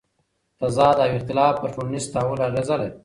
تضاد او اختلاف پر ټولنیز تحول اغېزه لري.